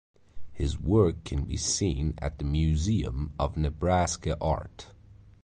His work can be seen at the Museum of Nebraska Art.